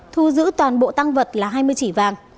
thu giữ toàn bộ tăng vật là hai mươi chỉ vàng